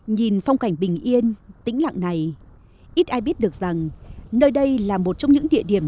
nhìn phong cảnh bình yên tĩnh lặng này ít ai biết được rằng nơi đây là một trong những địa điểm